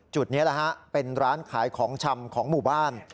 จุดนี้เป็นร้านขายของชำของหมู่บ้าน